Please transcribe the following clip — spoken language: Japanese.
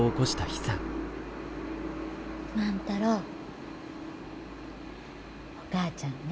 万太郎お母ちゃんね